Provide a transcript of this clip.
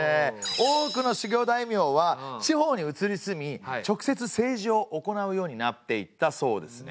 多くの守護大名は地方に移り住み直接政治をおこなうようになっていったそうですね。